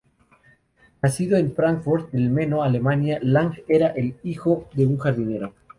Nacido en Fráncfort del Meno, Alemania, Lang era hijo de un jardinero.